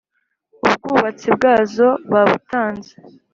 Ubwatsi bwazo babutanze.